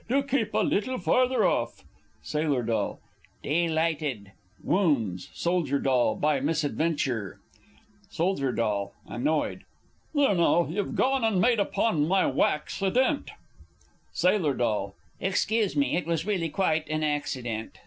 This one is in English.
Do keep a little farther off! Sail. D. Delighted! [Wounds Soldier D. by misadventure. Sold. D. (annoyed). There now, you've gone and made upon my wax a dent! Sail. D. Excuse me, it was really quite an accident.